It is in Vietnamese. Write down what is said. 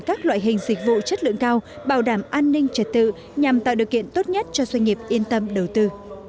và thực hiện tốt nhất cho doanh nghiệp yên tâm đầu tư